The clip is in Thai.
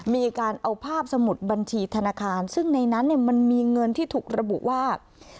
มีการเอาภาพสมุดบัญชีธนาคารซึ่งในนั้นมันมีเงินที่ถูกระบุว่า